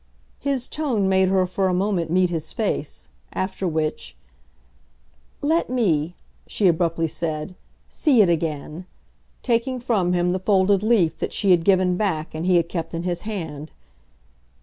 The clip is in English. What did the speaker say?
His tone made her for a moment meet his face; after which, "Let me," she abruptly said, "see it again" taking from him the folded leaf that she had given back and he had kept in his hand.